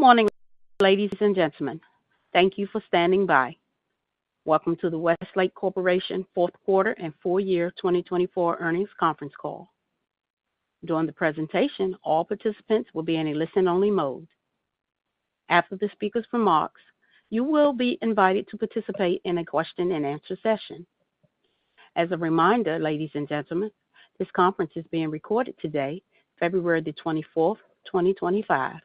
Good morning, ladies and gentlemen. Thank you for standing by. Welcome to the Westlake Corporation Fourth Quarter and Full Year 2024 Earnings Conference Call. During the presentation, all participants will be in a listen-only mode. After the speaker's remarks, you will be invited to participate in a question-and-answer session. As a reminder, ladies and gentlemen, this conference is being recorded today, February the 24th, 2025.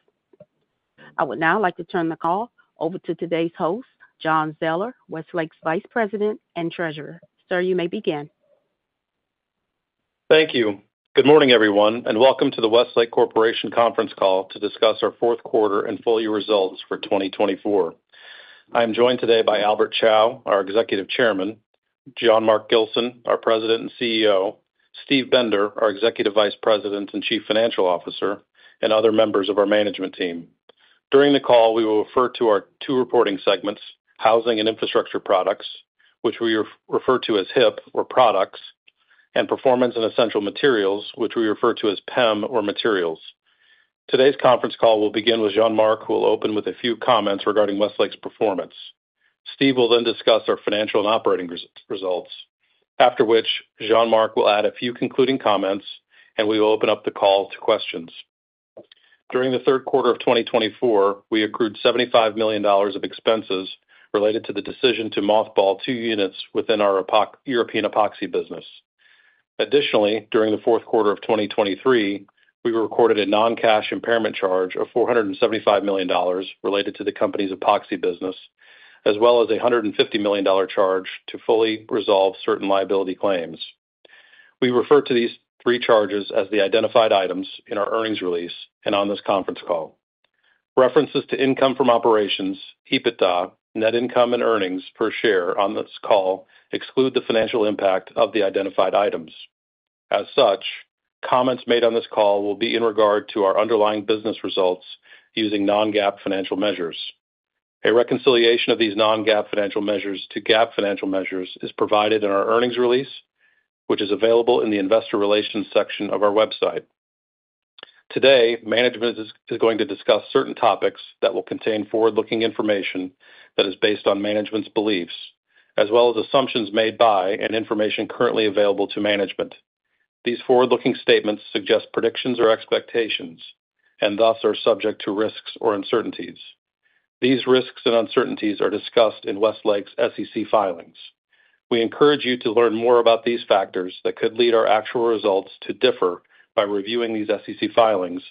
I would now like to turn the call over to today's host, John Zoeller, Westlake's Vice President and Treasurer. Sir, you may begin. Thank you. Good morning, everyone, and welcome to the Westlake Corporation Conference Call to discuss our Fourth Quarter and full year results for 2024. I am joined today by Albert Chao, our Executive Chairman, Jean-Marc Gilson, our President and CEO, Steve Bender, our Executive Vice President and Chief Financial Officer, and other members of our management team. During the call, we will refer to our two reporting segments, Housing and Infrastructure Products, which we refer to as HIP or Products, and Performance and Essential Materials, which we refer to as PEM or Materials. Today's conference call will begin with Jean-Marc, who will open with a few comments regarding Westlake's performance. Steve will then discuss our financial and operating results, after which Jean-Marc will add a few concluding comments, and we will open up the call to questions. During the third quarter of 2024, we accrued $75 million of expenses related to the decision to mothball two units within our European epoxy business. Additionally, during the fourth quarter of 2023, we recorded a non-cash impairment charge of $475 million related to the company's epoxy business, as well as a $150 million charge to fully resolve certain liability claims. We refer to these three charges as the identified items in our earnings release and on this conference call. References to income from operations, EBITDA, net income, and earnings per share on this call exclude the financial impact of the identified items. As such, comments made on this call will be in regard to our underlying business results using non-GAAP financial measures. A reconciliation of these non-GAAP financial measures to GAAP financial measures is provided in our earnings release, which is available in the Investor Relations section of our website. Today, management is going to discuss certain topics that will contain forward-looking information that is based on management's beliefs, as well as assumptions made by and information currently available to management. These forward-looking statements suggest predictions or expectations and thus are subject to risks or uncertainties. These risks and uncertainties are discussed in Westlake's SEC filings. We encourage you to learn more about these factors that could lead our actual results to differ by reviewing these SEC filings,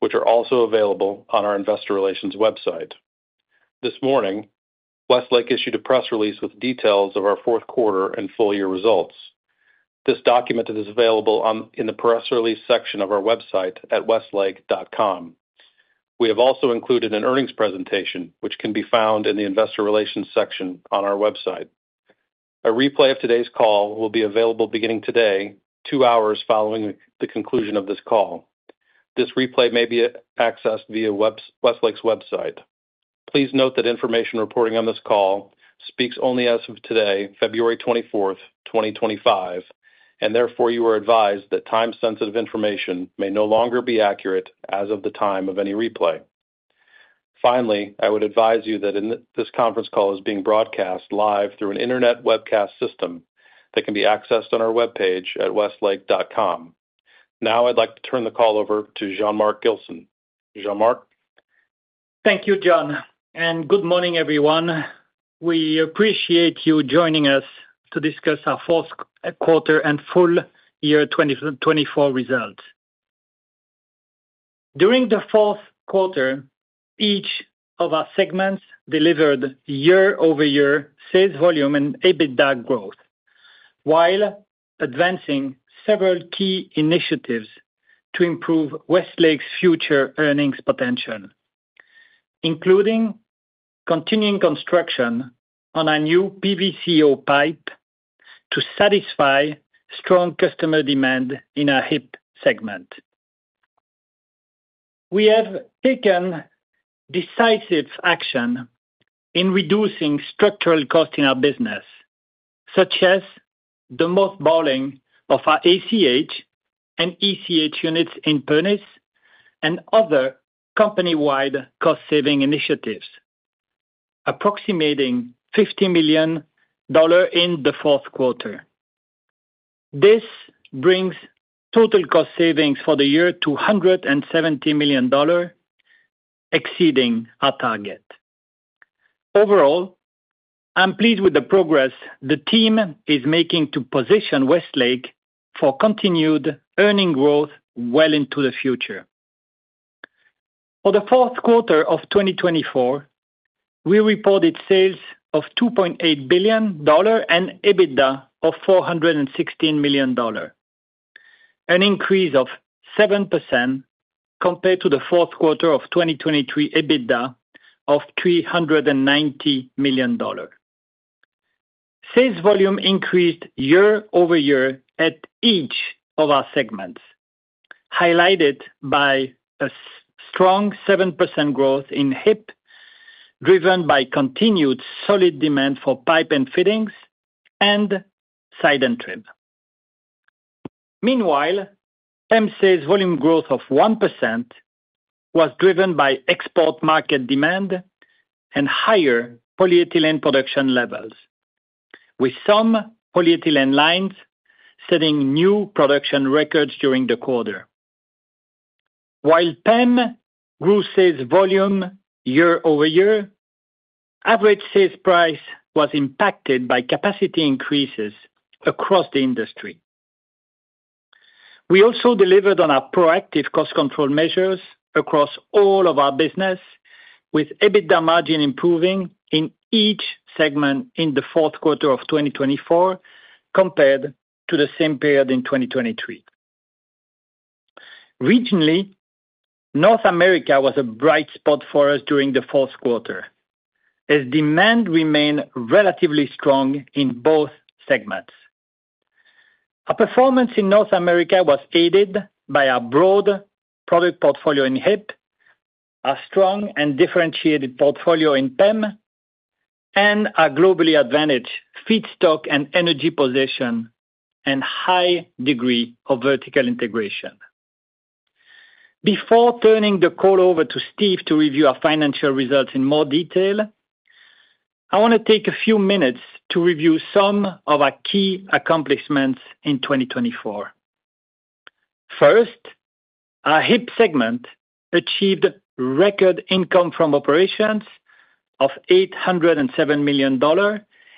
which are also available on our Investor Relations website. This morning, Westlake issued a press release with details of our fourth quarter and full year results. This document is available in the press release section of our website at westlake.com. We have also included an earnings presentation, which can be found in the Investor Relations section on our website. A replay of today's call will be available beginning today, two hours following the conclusion of this call. This replay may be accessed via Westlake's website. Please note that information reporting on this call speaks only as of today, February 24th, 2025, and therefore you are advised that time-sensitive information may no longer be accurate as of the time of any replay. Finally, I would advise you that this conference call is being broadcast live through an internet webcast system that can be accessed on our web page at westlake.com. Now, I'd like to turn the call over to Jean-Marc Gilson. Jean-Marc? Thank you, John. Good morning, everyone. We appreciate you joining us to discuss our fourth quarter and full year 2024 results. During the fourth quarter, each of our segments delivered year-over-year sales volume and EBITDA growth, while advancing several key initiatives to improve Westlake's future earnings potential, including continuing construction on a new PVCO pipe to satisfy strong customer demand in our HIP segment. We have taken decisive action in reducing structural costs in our business, such as the mothballing of our ACH and ECH units in Pernis and other company-wide cost-saving initiatives, approximating $50 million in the fourth quarter. This brings total cost savings for the year to $170 million, exceeding our target. Overall, I'm pleased with the progress the team is making to position Westlake for continued earnings growth well into the future. For the fourth quarter of 2024, we reported sales of $2.8 billion and EBITDA of $416 million, an increase of 7% compared to the fourth quarter of 2023 EBITDA of $390 million. Sales volume increased year-over-year at each of our segments, highlighted by a strong 7% growth in HIP, driven by continued solid demand for pipe and fittings and siding and trim. Meanwhile, PEM sales volume growth of 1% was driven by export market demand and higher polyethylene production levels, with some polyethylene lines setting new production records during the quarter. While PEM grew sales volume year-over-year, average sales price was impacted by capacity increases across the industry. We also delivered on our proactive cost control measures across all of our business, with EBITDA margin improving in each segment in the fourth quarter of 2024 compared to the same period in 2023. Regionally, North America was a bright spot for us during the fourth quarter, as demand remained relatively strong in both segments. Our performance in North America was aided by our broad product portfolio in HIP, our strong and differentiated portfolio in PEM, and our globally advantaged feedstock and energy position and high degree of vertical integration. Before turning the call over to Steve to review our financial results in more detail, I want to take a few minutes to review some of our key accomplishments in 2024. First, our HIP segment achieved record income from operations of $807 million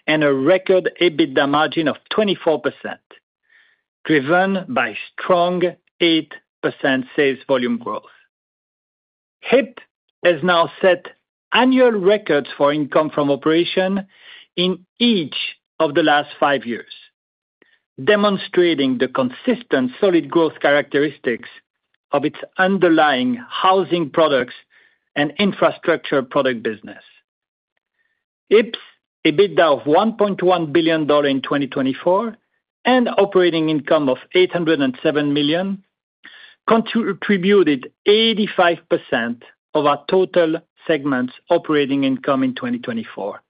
and a record EBITDA margin of 24%, driven by strong 8% sales volume growth. HIP has now set annual records for income from operations in each of the last five years, demonstrating the consistent solid growth characteristics of its underlying housing products and infrastructure product business. HIP's EBITDA of $1.1 billion in 2024 and operating income of $807 million contributed 85% of our total segment's operating income in 2024.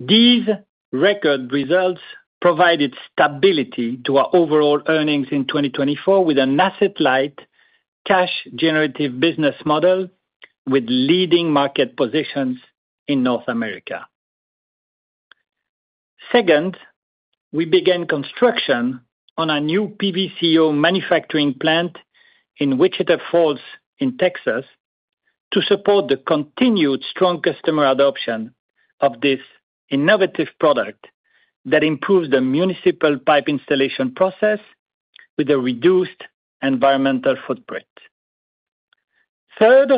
These record results provided stability to our overall earnings in 2024, with an asset-light cash-generative business model with leading market positions in North America. Second, we began construction on a new PVCO manufacturing plant in Wichita Falls in Texas to support the continued strong customer adoption of this innovative product that improves the municipal pipe installation process with a reduced environmental footprint. Third,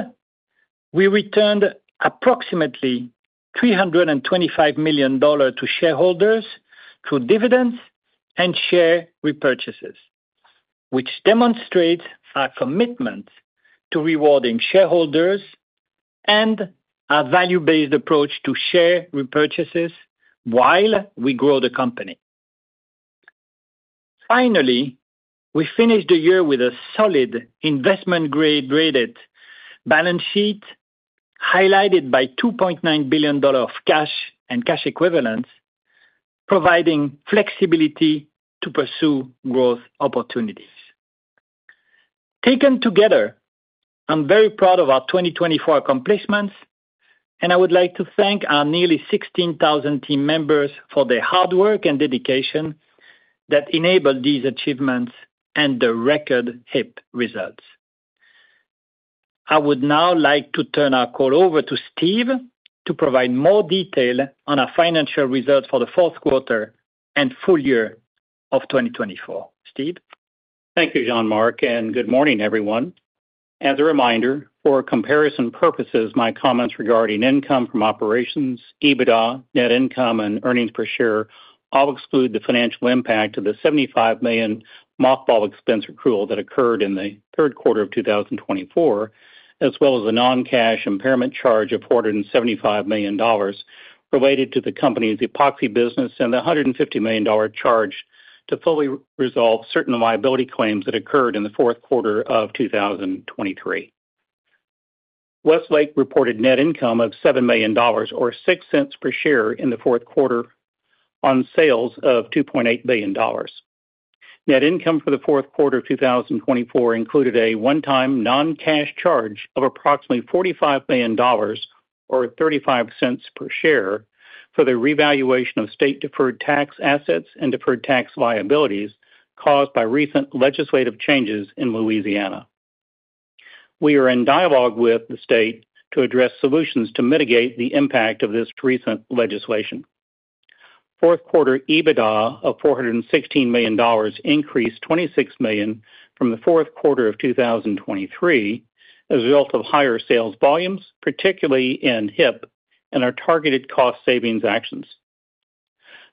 we returned approximately $325 million to shareholders through dividends and share repurchases, which demonstrates our commitment to rewarding shareholders and our value-based approach to share repurchases while we grow the company. Finally, we finished the year with a solid investment-grade rated balance sheet highlighted by $2.9 billion of cash and cash equivalents, providing flexibility to pursue growth opportunities. Taken together, I'm very proud of our 2024 accomplishments, and I would like to thank our nearly 16,000 team members for their hard work and dedication that enabled these achievements and the record HIP results. I would now like to turn our call over to Steve to provide more detail on our financial results for the fourth quarter and full year of 2024. Steve? Thank you, Jean-Marc, and good morning, everyone. As a reminder, for comparison purposes, my comments regarding income from operations, EBITDA, net income, and earnings per share all exclude the financial impact of the $75 million mothball expense accrual that occurred in the third quarter of 2024, as well as the non-cash impairment charge of $475 million related to the company's epoxy business and the $150 million charge to fully resolve certain liability claims that occurred in the fourth quarter of 2023. Westlake reported net income of $7 million or $0.06 per share in the fourth quarter on sales of $2.8 billion. Net income for the fourth quarter of 2024 included a one-time non-cash charge of approximately $45 million or $0.35 per share for the revaluation of state deferred tax assets and deferred tax liabilities caused by recent legislative changes in Louisiana. We are in dialogue with the state to address solutions to mitigate the impact of this recent legislation. Fourth quarter EBITDA of $416 million increased $26 million from the fourth quarter of 2023 as a result of higher sales volumes, particularly in HIP, and our targeted cost savings actions.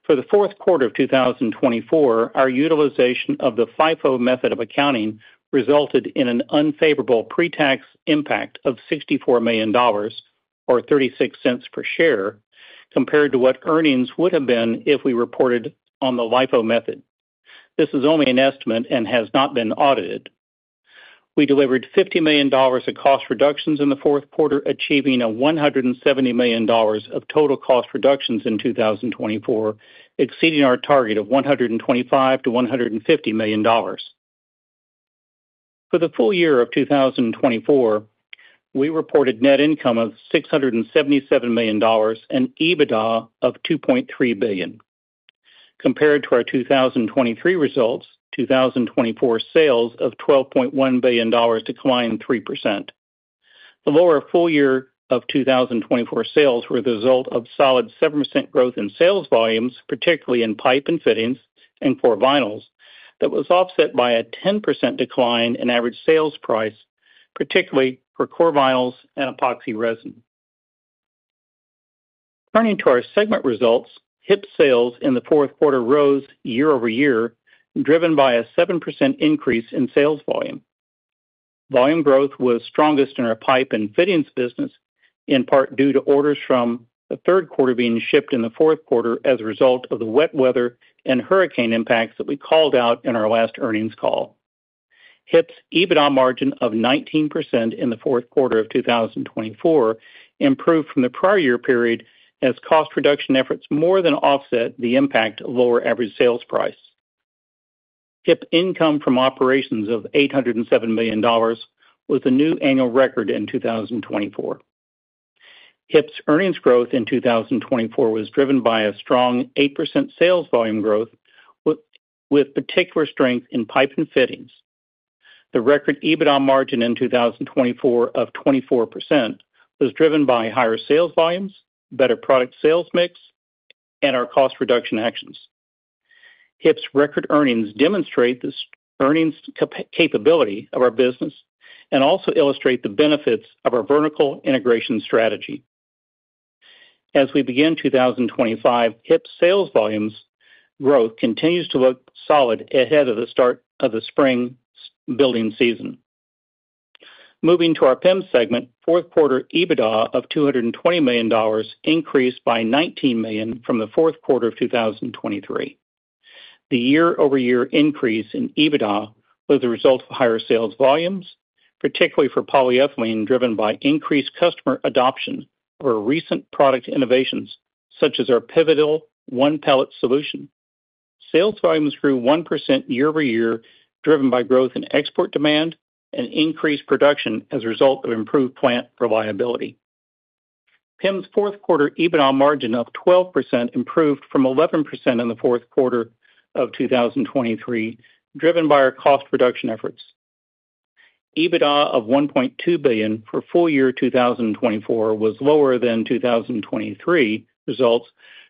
For the fourth quarter of 2024, our utilization of the FIFO method of accounting resulted in an unfavorable pre-tax impact of $64 million or $0.36 per share compared to what earnings would have been if we reported on the LIFO method. This is only an estimate and has not been audited. We delivered $50 million of cost reductions in the fourth quarter, achieving a $170 million of total cost reductions in 2024, exceeding our target of $125 million-$150 million. For the full year of 2024, we reported net income of $677 million and EBITDA of $2.3 billion. Compared to our 2023 results, 2024 sales of $12.1 billion declined 3%. The lower full year of 2024 sales were the result of solid 7% growth in sales volumes, particularly in pipe and fittings and core vinyls, that was offset by a 10% decline in average sales price, particularly for core vinyls and epoxy resin. Turning to our segment results, HIP sales in the fourth quarter rose year-over-year, driven by a 7% increase in sales volume. Volume growth was strongest in our pipe and fittings business, in part due to orders from the third quarter being shipped in the fourth quarter as a result of the wet weather and hurricane impacts that we called out in our last earnings call. HIP's EBITDA margin of 19% in the fourth quarter of 2024 improved from the prior year period as cost reduction efforts more than offset the impact of lower average sales price. HIP income from operations of $807 million was the new annual record in 2024. HIP's earnings growth in 2024 was driven by a strong 8% sales volume growth, with particular strength in pipe and fittings. The record EBITDA margin in 2024 of 24% was driven by higher sales volumes, better product sales mix, and our cost reduction actions. HIP's record earnings demonstrate the earnings capability of our business and also illustrate the benefits of our vertical integration strategy. As we begin 2025, HIP sales volumes growth continues to look solid ahead of the start of the spring building season. Moving to our PEM segment, fourth quarter EBITDA of $220 million increased by $19 million from the fourth quarter of 2023. The year-over-year increase in EBITDA was the result of higher sales volumes, particularly for polyethylene, driven by increased customer adoption for recent product innovations, such as our One-Pellet Solution. Sales volumes grew 1% year-over-year, driven by growth in export demand and increased production as a result of improved plant reliability. PEM's fourth quarter EBITDA margin of 12% improved from 11% in the fourth quarter of 2023, driven by our cost reduction efforts. EBITDA of $1.2 billion for full year 2024 was lower than 2023 results,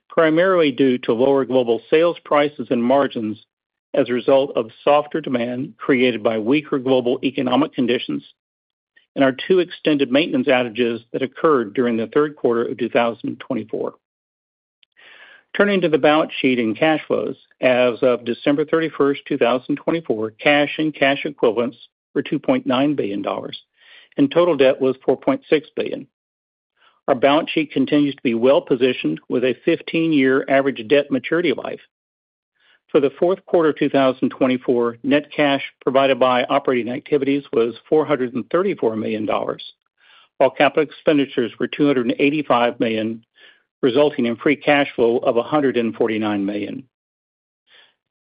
primarily due to lower global sales prices and margins as a result of softer demand created by weaker global economic conditions and our two extended maintenance outages that occurred during the third quarter of 2024. Turning to the balance sheet and cash flows, as of December 31, 2024, cash and cash equivalents were $2.9 billion, and total debt was $4.6 billion. Our balance sheet continues to be well-positioned with a 15-year average debt maturity life. For the fourth quarter of 2024, net cash provided by operating activities was $434 million, while capital expenditures were $285 million, resulting in free cash flow of $149 million.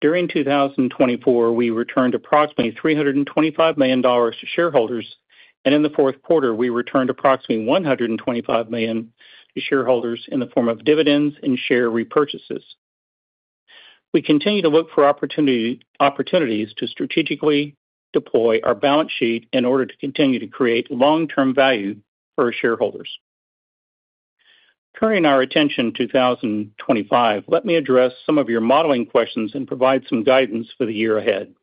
During 2024, we returned approximately $325 million to shareholders, and in the fourth quarter, we returned approximately $125 million to shareholders in the form of dividends and share repurchases. We continue to look for opportunities to strategically deploy our balance sheet in order to continue to create long-term value for our shareholders. Turning our attention to 2025, let me address some of your modeling questions and provide some guidance for the year ahead.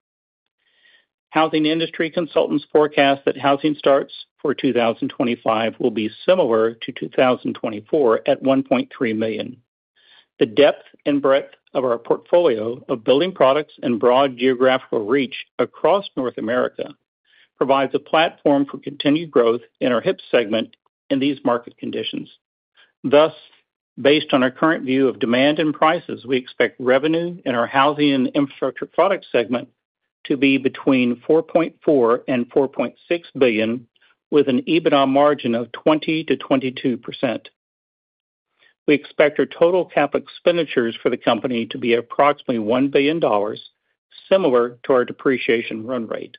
Housing industry consultants forecast that housing starts for 2025 will be similar to 2024 at $1.3 million. The depth and breadth of our portfolio of building products and broad geographical reach across North America provides a platform for continued growth in our HIP segment in these market conditions. Thus, based on our current view of demand and prices, we expect revenue in our housing and infrastructure product segment to be between $4.4 billion and $4.6 billion, with an EBITDA margin of 20%-22%. We expect our total capital expenditures for the company to be approximately $1 billion, similar to our depreciation run rate.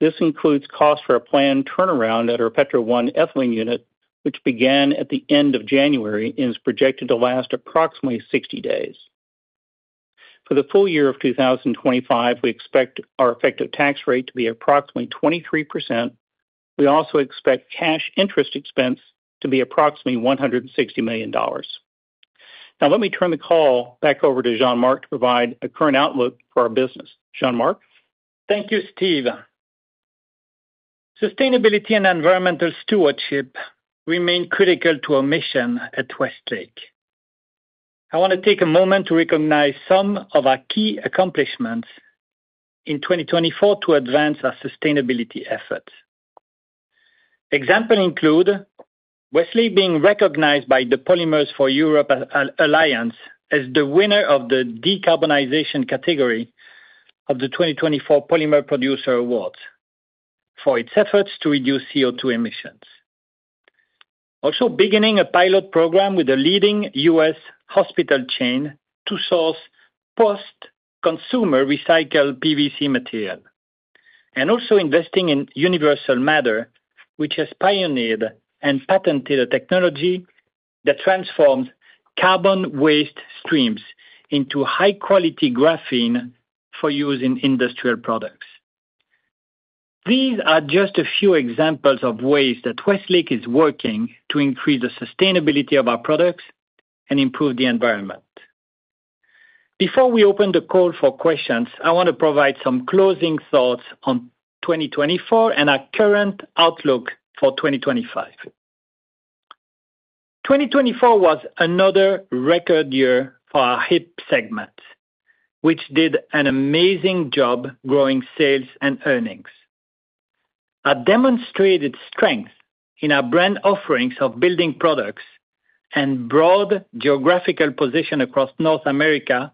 This includes costs for a planned turnaround at our Petro 1 ethylene unit, which began at the end of January and is projected to last approximately 60 days. For the full year of 2025, we expect our effective tax rate to be approximately 23%. We also expect cash interest expense to be approximately $160 million. Now, let me turn the call back over to Jean-Marc to provide a current outlook for our business. Jean-Marc? Thank you, Steve. Sustainability and environmental stewardship remain critical to our mission at Westlake. I want to take a moment to recognize some of our key accomplishments in 2024 to advance our sustainability efforts. Examples include Westlake being recognized by the Polymers for Europe Alliance as the winner of the decarbonization category of the 2024 Polymer Producer Awards for its efforts to reduce CO2 emissions. Also, beginning a pilot program with a leading U.S. hospital chain to source post-consumer recycled PVC material, and also investing in Universal Matter, which has pioneered and patented a technology that transforms carbon waste streams into high-quality graphene for use in industrial products. These are just a few examples of ways that Westlake is working to increase the sustainability of our products and improve the environment. Before we open the call for questions, I want to provide some closing thoughts on 2024 and our current outlook for 2025. 2024 was another record year for our HIP segment, which did an amazing job growing sales and earnings. Our demonstrated strength in our brand offerings of building products and broad geographical position across North America,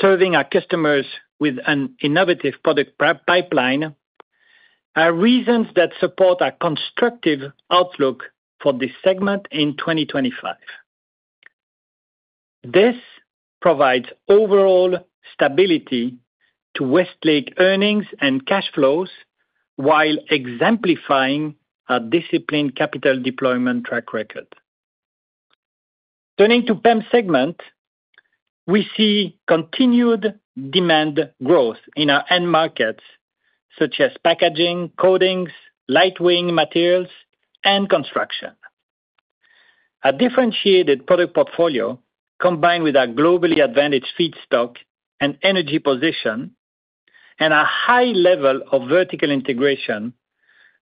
serving our customers with an innovative product pipeline, are reasons that support a constructive outlook for this segment in 2025. This provides overall stability to Westlake earnings and cash flows while exemplifying our disciplined capital deployment track record. Turning to PEM segment, we see continued demand growth in our end markets such as packaging, coatings, lightweight materials, and construction. Our differentiated product portfolio, combined with our globally advantaged feedstock and energy position, and our high level of vertical integration,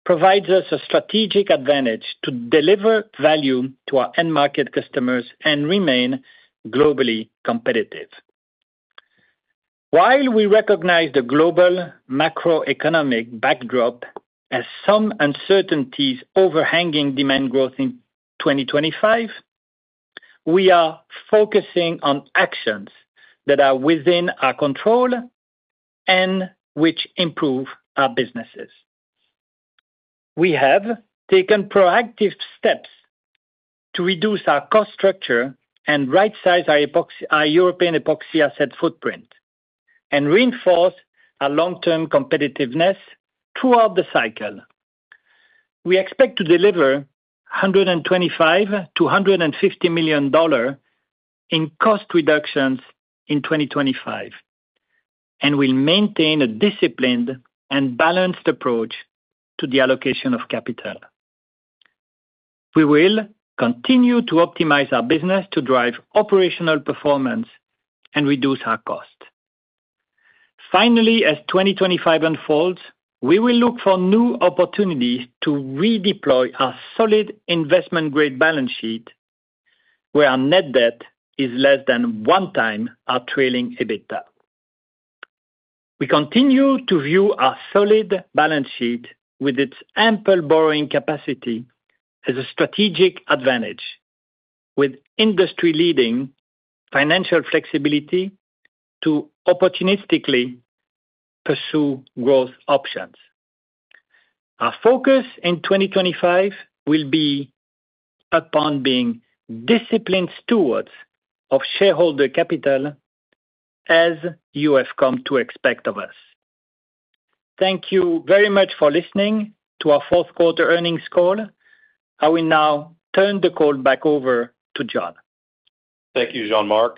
provides us a strategic advantage to deliver value to our end market customers and remain globally competitive. While we recognize the global macroeconomic backdrop as some uncertainties overhanging demand growth in 2025, we are focusing on actions that are within our control and which improve our businesses. We have taken proactive steps to reduce our cost structure and right-size our European epoxy asset footprint and reinforce our long-term competitiveness throughout the cycle. We expect to deliver $125 million-$150 million in cost reductions in 2025 and will maintain a disciplined and balanced approach to the allocation of capital. We will continue to optimize our business to drive operational performance and reduce our cost. Finally, as 2025 unfolds, we will look for new opportunities to redeploy our solid investment-grade balance sheet, where our net debt is less than one time our trailing EBITDA. We continue to view our solid balance sheet with its ample borrowing capacity as a strategic advantage, with industry-leading financial flexibility to opportunistically pursue growth options. Our focus in 2025 will be upon being disciplined stewards of shareholder capital, as you have come to expect of us. Thank you very much for listening to our fourth quarter earnings call. I will now turn the call back over to John. Thank you, Jean-Marc.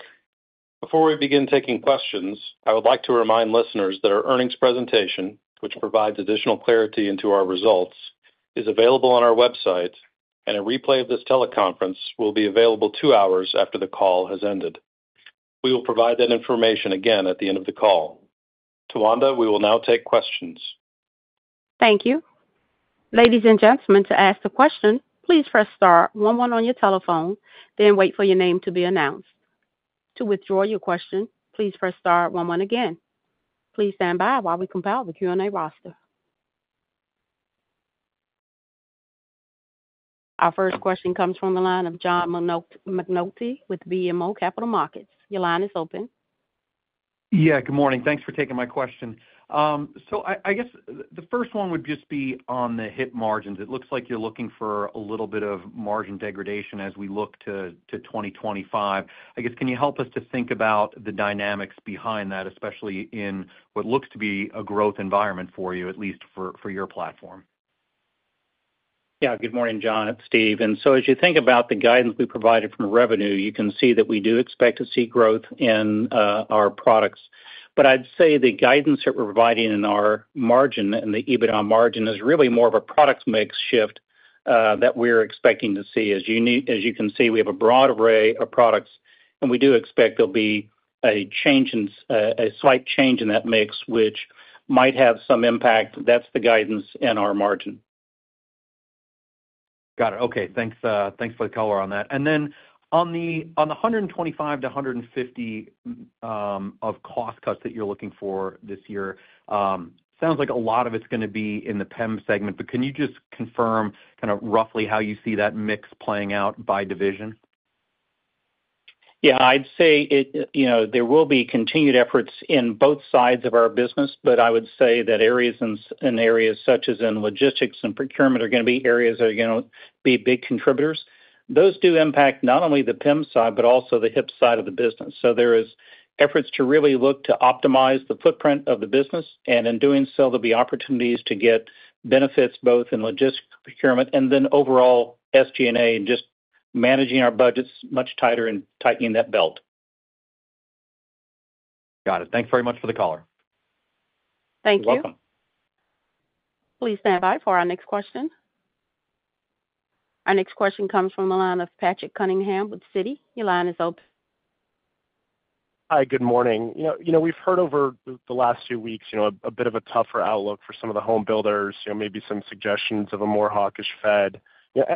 Before we begin taking questions, I would like to remind listeners that our earnings presentation, which provides additional clarity into our results, is available on our website, and a replay of this teleconference will be available two hours after the call has ended. We will provide that information again at the end of the call. Tawanda, we will now take questions. Thank you. Ladies and gentlemen, to ask a question, please press star one one on your telephone, then wait for your name to be announced. To withdraw your question, please press star one one again. Please stand by while we compile the Q&A roster. Our first question comes from the line of John McNulty with BMO Capital Markets. Your line is open. Yeah, good morning. Thanks for taking my question. So I guess the first one would just be on the HIP margins. It looks like you're looking for a little bit of margin degradation as we look to 2025. I guess, can you help us to think about the dynamics behind that, especially in what looks to be a growth environment for you, at least for your platform? Yeah, good morning, John, Steven. So as you think about the guidance we provided from revenue, you can see that we do expect to see growth in our products. But I'd say the guidance that we're providing in our margin and the EBITDA margin is really more of a product mix shift that we're expecting to see. As you can see, we have a broad array of products, and we do expect there'll be a slight change in that mix, which might have some impact. That's the guidance in our margin. Got it. Okay. Thanks for the color on that. And then on the $125-$150 of cost cuts that you're looking for this year, it sounds like a lot of it's going to be in the PEM segment, but can you just confirm kind of roughly how you see that mix playing out by division? Yeah, I'd say there will be continued efforts in both sides of our business, but I would say that areas such as in logistics and procurement are going to be areas that are going to be big contributors. Those do impact not only the PEM side, but also the HIP side of the business, so there are efforts to really look to optimize the footprint of the business, and in doing so, there'll be opportunities to get benefits both in logistics, procurement, and then overall SG&A and just managing our budgets much tighter and tightening that belt. Got it. Thanks very much for the call. Thank you. You're welcome. Please stand by for our next question. Our next question comes from the line of Patrick Cunningham with Citi. Your line is open. Hi, good morning. We've heard over the last few weeks a bit of a tougher outlook for some of the home builders, maybe some suggestions of a more hawkish Fed.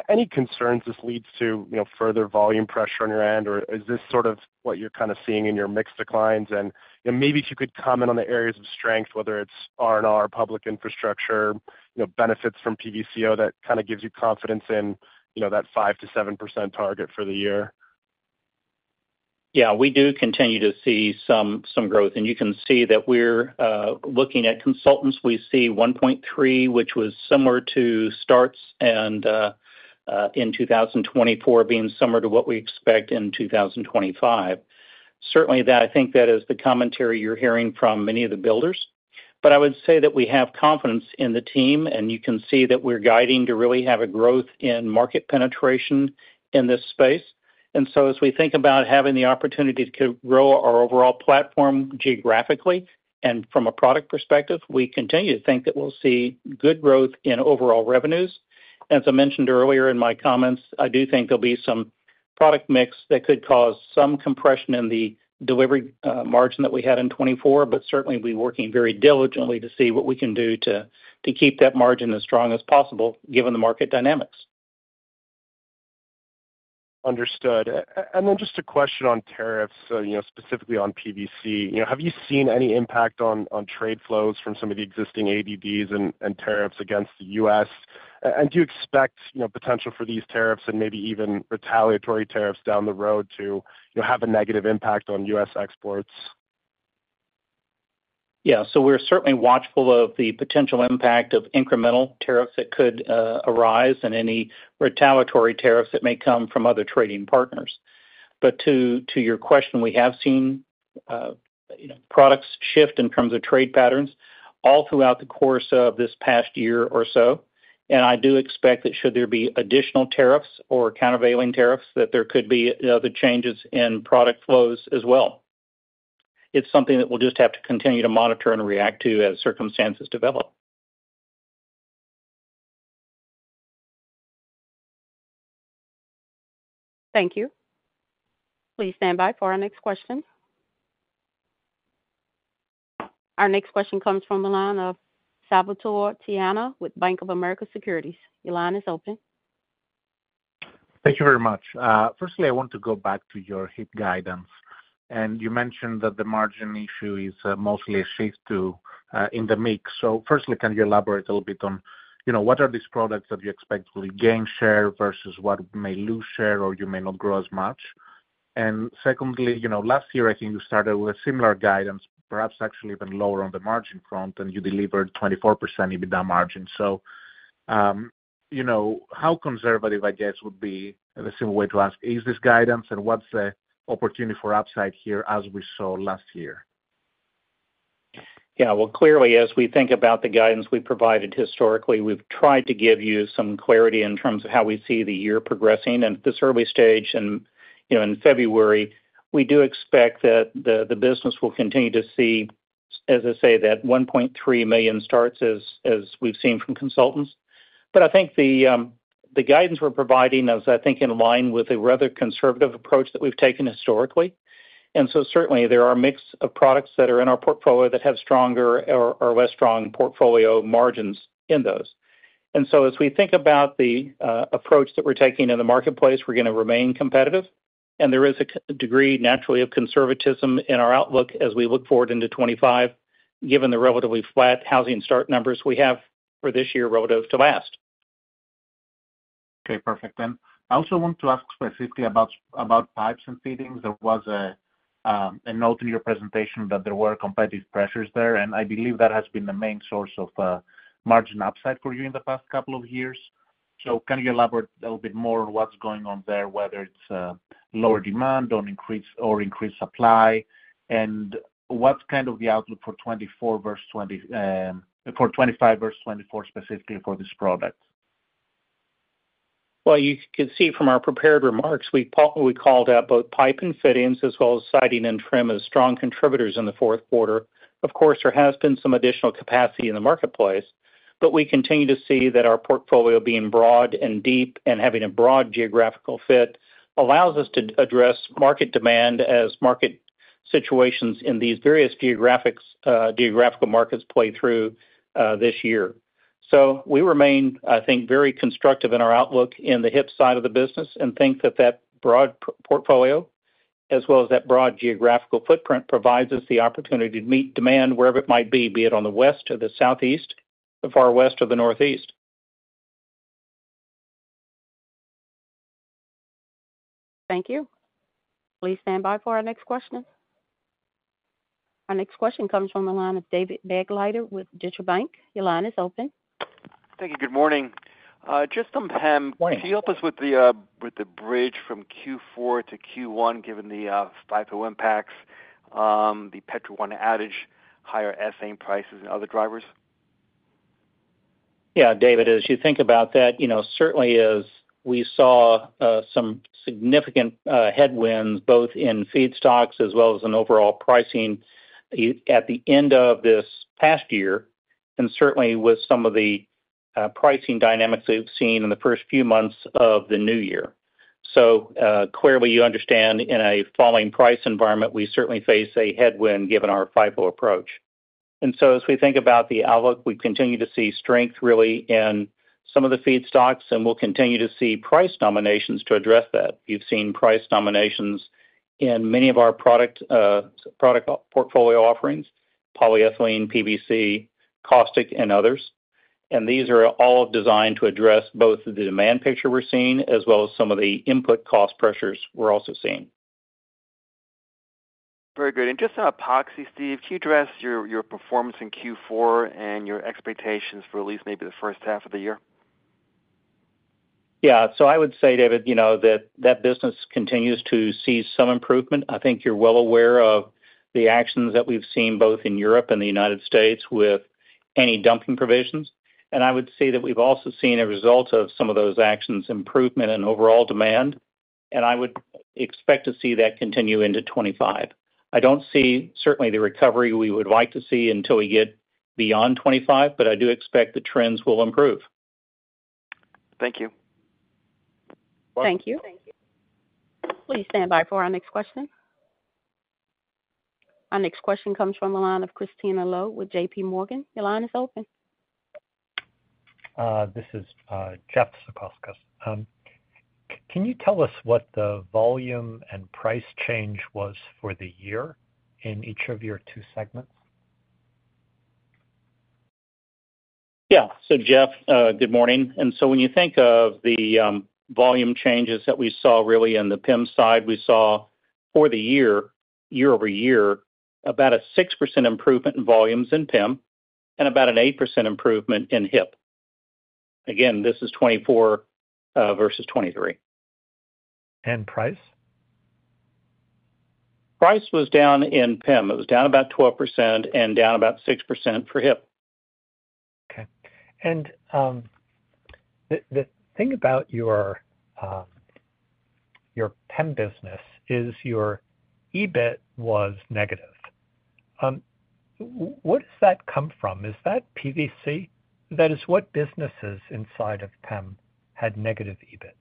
Any concerns this leads to further volume pressure on your end, or is this sort of what you're kind of seeing in your mixed declines? And maybe if you could comment on the areas of strength, whether it's R&R, public infrastructure, benefits from PVCO that kind of gives you confidence in that 5%-7% target for the year. Yeah, we do continue to see some growth, and you can see that we're looking at consultants. We see 1.3, which was similar to starts in 2024 being similar to what we expect in 2025. Certainly, I think that is the commentary you're hearing from many of the builders. But I would say that we have confidence in the team, and you can see that we're guiding to really have a growth in market penetration in this space. And so as we think about having the opportunity to grow our overall platform geographically and from a product perspective, we continue to think that we'll see good growth in overall revenues. As I mentioned earlier in my comments, I do think there'll be some product mix that could cause some compression in the delivery margin that we had in 2024, but certainly, we're working very diligently to see what we can do to keep that margin as strong as possible given the market dynamics. Understood. And then just a question on tariffs, specifically on PVC. Have you seen any impact on trade flows from some of the existing ADDs and tariffs against the U.S.? And do you expect potential for these tariffs and maybe even retaliatory tariffs down the road to have a negative impact on U.S. exports? Yeah, so we're certainly watchful of the potential impact of incremental tariffs that could arise and any retaliatory tariffs that may come from other trading partners, but to your question, we have seen products shift in terms of trade patterns all throughout the course of this past year or so, and I do expect that should there be additional tariffs or countervailing tariffs, that there could be other changes in product flows as well. It's something that we'll just have to continue to monitor and react to as circumstances develop. Thank you. Please stand by for our next question. Our next question comes from the line of Salvator Tiano with Bank of America Securities. Your line is open. Thank you very much. Firstly, I want to go back to your HIP guidance, and you mentioned that the margin issue is mostly a shift in the mix. So firstly, can you elaborate a little bit on what are these products that you expect will gain share versus what may lose share or you may not grow as much? And secondly, last year, I think you started with a similar guidance, perhaps actually even lower on the margin front, and you delivered 24% EBITDA margin. So how conservative, I guess, would be the simple way to ask, is this guidance, and what's the opportunity for upside here as we saw last year? Yeah. Well, clearly, as we think about the guidance we provided historically, we've tried to give you some clarity in terms of how we see the year progressing. And at this early stage in February, we do expect that the business will continue to see, as I say, that 1.3 million starts as we've seen from consultants. But I think the guidance we're providing is, I think, in line with a rather conservative approach that we've taken historically. And so certainly, there are mixed products that are in our portfolio that have stronger or less strong portfolio margins in those. And so as we think about the approach that we're taking in the marketplace, we're going to remain competitive. There is a degree, naturally, of conservatism in our outlook as we look forward into 2025, given the relatively flat housing start numbers we have for this year relative to last. Okay. Perfect. And I also want to ask specifically about pipes and fittings. There was a note in your presentation that there were competitive pressures there, and I believe that has been the main source of margin upside for you in the past couple of years. So can you elaborate a little bit more on what's going on there, whether it's lower demand or increased supply, and what's kind of the outlook for 2024 versus 2025 versus 2024 specifically for this product? You can see from our prepared remarks, we called out both pipe and fittings as well as siding and trim as strong contributors in the fourth quarter. Of course, there has been some additional capacity in the marketplace, but we continue to see that our portfolio being broad and deep and having a broad geographical fit allows us to address market demand as market situations in these various geographical markets play through this year. We remain, I think, very constructive in our outlook in the HIP side of the business and think that broad portfolio as well as that broad geographical footprint provides us the opportunity to meet demand wherever it might be, be it on the West or the Southeast, the far West or the Northeast. Thank you. Please stand by for our next question. Our next question comes from the line of David Begleiter with Deutsche Bank. Your line is open. Thank you. Good morning. Just some PEM. Good morning. Can you help us with the bridge from Q4 to Q1 given the 5.0 impacts, the Petro 1 outage, higher SA prices, and other drivers? Yeah, David, as you think about that, certainly, as we saw some significant headwinds both in feedstocks as well as in overall pricing at the end of this past year and certainly with some of the pricing dynamics we've seen in the first few months of the new year. So clearly, you understand in a falling price environment, we certainly face a headwind given our FIFO approach. And so as we think about the outlook, we continue to see strength really in some of the feedstocks, and we'll continue to see price nominations to address that. You've seen price nominations in many of our product portfolio offerings, polyethylene, PVC, caustic, and others. And these are all designed to address both the demand picture we're seeing as well as some of the input cost pressures we're also seeing. Very good. And just on epoxy, Steve, can you address your performance in Q4 and your expectations for at least maybe the first half of the year? Yeah. So I would say, David, that that business continues to see some improvement. I think you're well aware of the actions that we've seen both in Europe and the United States with any dumping provisions. And I would say that we've also seen a result of some of those actions, improvement in overall demand, and I would expect to see that continue into 2025. I don't see certainly the recovery we would like to see until we get beyond 2025, but I do expect the trends will improve. Thank you. Thank you. Please stand by for our next question. Our next question comes from the line of Christina Lowe with JP Morgan. Your line is open. This is Jeffrey Zekauskas. Can you tell us what the volume and price change was for the year in each of your two segments? Yeah, so Jeff, good morning, and so when you think of the volume changes that we saw really in the PEM side, we saw for the year, year over year, about a 6% improvement in volumes in PEM and about an 8% improvement in HIP. Again, this is 2024 versus 2023. And price? Price was down in PEM. It was down about 12% and down about 6% for HIP. Okay. And the thing about your PEM business is your EBIT was negative. What does that come from? Is that PVC? That is, what businesses inside of PEM had negative EBIT?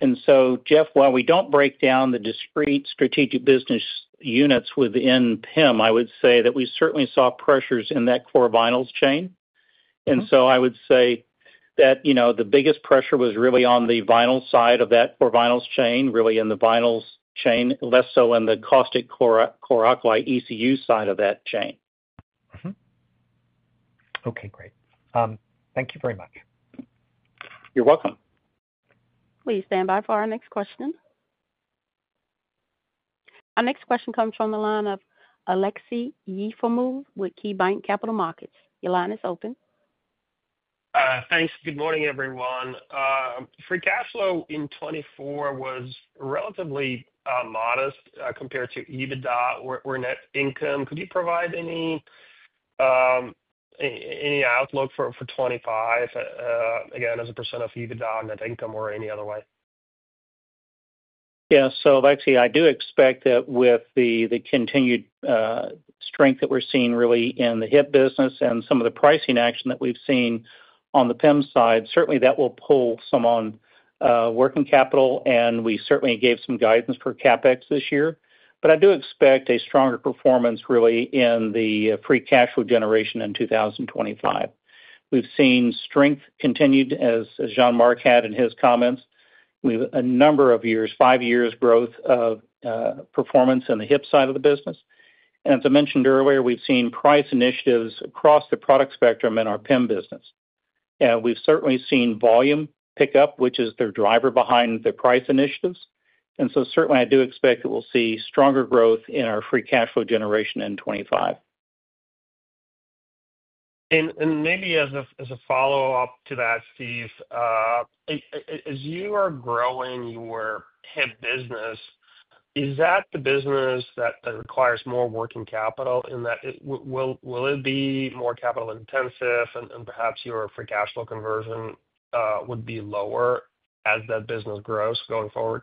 And so, Jeff, while we don't break down the discrete strategic business units within PEM, I would say that we certainly saw pressures in that core vinyls chain. And so I would say that the biggest pressure was really on the vinyl side of that core vinyls chain, really in the vinyls chain, less so on the caustic chlor-alkali ECU side of that chain. Okay. Great. Thank you very much. You're welcome. Please stand by for our next question. Our next question comes from the line of Aleksey Yefremov with KeyBanc Capital Markets. Your line is open. Thanks. Good morning, everyone. Free cash flow in 2024 was relatively modest compared to EBITDA or net income. Could you provide any outlook for 2025, again, as a percentage of EBITDA and net income or any other way? Yeah. So actually, I do expect that with the continued strength that we're seeing really in the HIP business and some of the pricing action that we've seen on the PEM side, certainly that will pull some on working capital, and we certainly gave some guidance for CapEx this year. But I do expect a stronger performance really in the free cash flow generation in 2025. We've seen strength continued, as Jean-Marc had in his comments, with a number of years, five years' growth of performance in the HIP side of the business. And as I mentioned earlier, we've seen price initiatives across the product spectrum in our PEM business. And we've certainly seen volume pick up, which is the driver behind the price initiatives. And so certainly, I do expect that we'll see stronger growth in our free cash flow generation in 2025. Maybe as a follow-up to that, Steve, as you are growing your HIP business, is that the business that requires more working capital in that? Will it be more capital-intensive and perhaps your free cash flow conversion would be lower as that business grows going forward?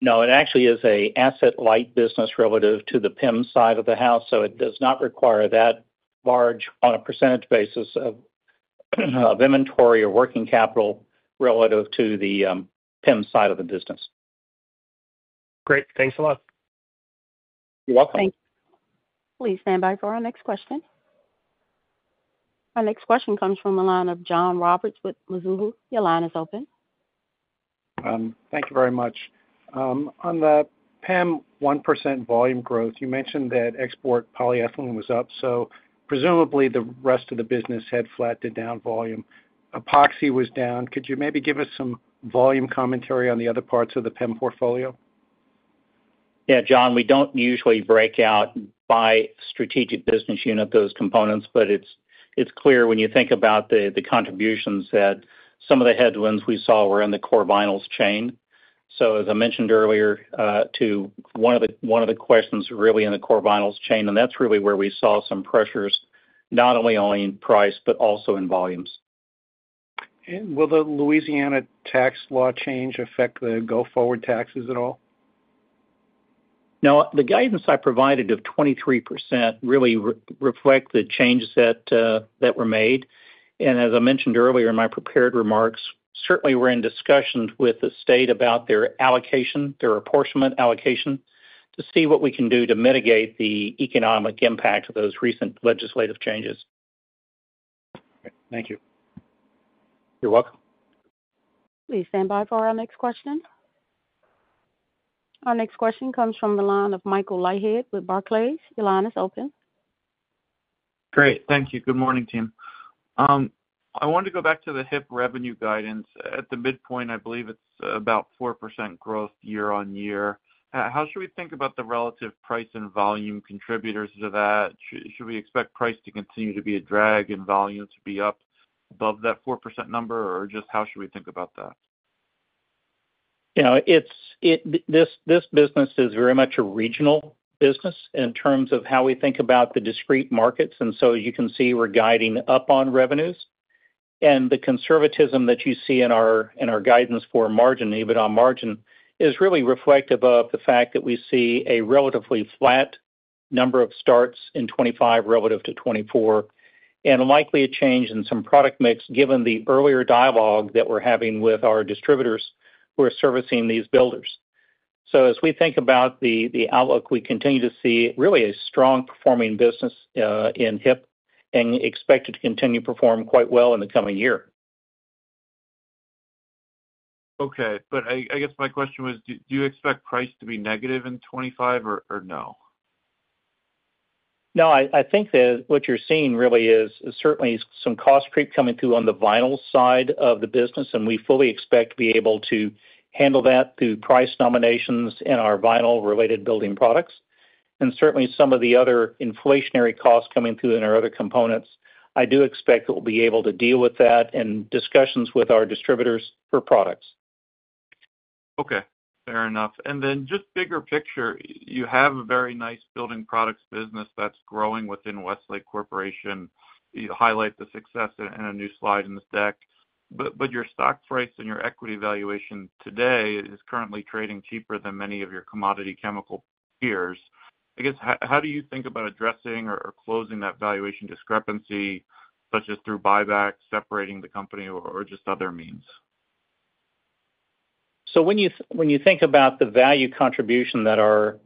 No, it actually is an asset-light business relative to the PEM side of the house, so it does not require that large on a percentage basis of inventory or working capital relative to the PEM side of the business. Great. Thanks a lot. You're welcome. Thank you. Please stand by for our next question. Our next question comes from the line of John Roberts with Mizuho. Your line is open. Thank you very much. On the PEM 1% volume growth, you mentioned that export polyethylene was up, so presumably the rest of the business had flattened down volume. Epoxy was down. Could you maybe give us some volume commentary on the other parts of the PEM portfolio? Yeah. John, we don't usually break out by strategic business unit those components, but it's clear when you think about the contributions that some of the headwinds we saw were in the core vinyls chain, so as I mentioned earlier, to one of the questions really in the core vinyls chain, and that's really where we saw some pressures, not only on price but also in volumes. Will the Louisiana tax law change affect the go forward taxes at all? No, the guidance I provided of 23% really reflect the changes that were made, and as I mentioned earlier in my prepared remarks, certainly we're in discussions with the state about their allocation, their apportionment allocation, to see what we can do to mitigate the economic impact of those recent legislative changes. Thank you. You're welcome. Please stand by for our next question. Our next question comes from the line of Michael Leithead with Barclays. Your line is open. Great. Thank you. Good morning, team. I wanted to go back to the HIP revenue guidance. At the midpoint, I believe it's about 4% growth year on year. How should we think about the relative price and volume contributors to that? Should we expect price to continue to be a drag and volume to be up above that 4% number, or just how should we think about that? Yeah. This business is very much a regional business in terms of how we think about the discrete markets. And so as you can see, we're guiding up on revenues. And the conservatism that you see in our guidance for margin, EBITDA margin, is really reflective of the fact that we see a relatively flat number of starts in 2025 relative to 2024, and likely a change in some product mix given the earlier dialogue that we're having with our distributors who are servicing these builders. So as we think about the outlook, we continue to see really a strong performing business in HIP and expect it to continue to perform quite well in the coming year. Okay. But I guess my question was, do you expect price to be negative in 2025 or no? No, I think that what you're seeing really is certainly some cost creep coming through on the vinyl side of the business, and we fully expect to be able to handle that through price nominations in our vinyl-related building products. And certainly, some of the other inflationary costs coming through in our other components, I do expect that we'll be able to deal with that and discussions with our distributors for products. Okay. Fair enough. And then just bigger picture, you have a very nice building products business that's growing within Westlake Corporation. You highlight the success in a new slide in this deck. But your stock price and your equity valuation today is currently trading cheaper than many of your commodity chemical peers. I guess, how do you think about addressing or closing that valuation discrepancy, such as through buyback, separating the company, or just other means? So when you think about the value contribution that our